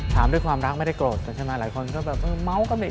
ถามด้วยความรักไม่ได้โกรธกันใช่ไหมหลายคนก็แบบเออเมาส์ก็ไม่